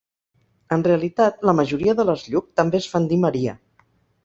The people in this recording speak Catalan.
En realitat, la majoria de les Lluc també es fan dir Maria.